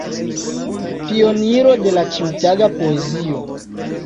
Pioniro de la ĉiutaga poezio.